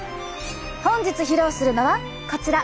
本日披露するのはこちら。